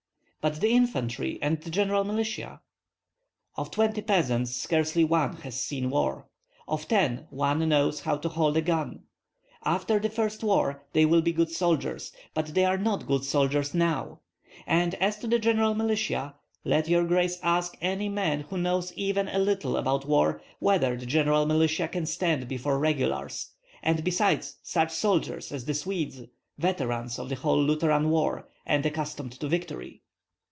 "But the infantry, and the general militia?" "Of twenty peasants scarcely one has seen war; of ten, one knows how to hold a gun. After the first war they will be good soldiers, but they are not soldiers now. And as to the general militia let your grace ask any man who knows even a little about war whether the general militia can stand before regulars, and besides such soldiers as the Swedes, veterans of the whole Lutheran war, and accustomed to victory."